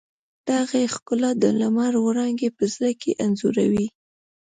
د هغې ښکلا د لمر وړانګې په زړه کې انځوروي.